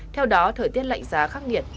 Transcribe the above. theo đó thời tiết lạnh giá khắc nghiệt